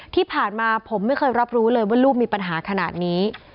ที่ผ่านมาผมไม่เคยรับรู้เลยว่าลูกมีปัญหาขนาดนี้